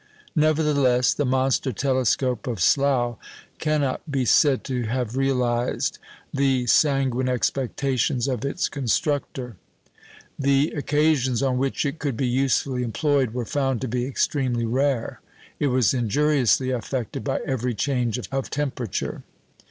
Nevertheless, the monster telescope of Slough cannot be said to have realised the sanguine expectations of its constructor. The occasions on which it could be usefully employed were found to be extremely rare. It was injuriously affected by every change of temperature.